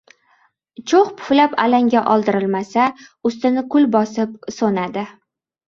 Cho‘g‘ puflab alanga oldirilmasa, ustini kul bosib so‘nadi.